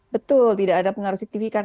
betul tidak ada pengaruh signifikan